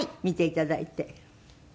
見ていただいて。